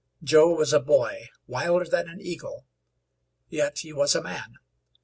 Joe was a boy, wilder than an eagle, yet he was a man.